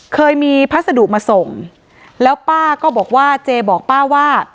เคยมีพัสดุมาส่งแล้วป้าก็บอกว่าเจบอกป้าว่า